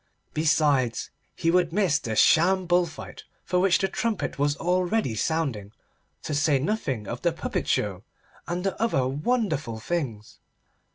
Besides, he would miss the sham bull fight for which the trumpet was already sounding, to say nothing of the puppet show and the other wonderful things.